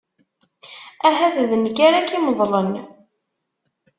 Ahat d nekk ara k-imeḍlen.